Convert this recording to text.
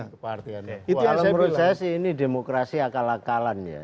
saya menurut saya sih ini demokrasi akal akalan ya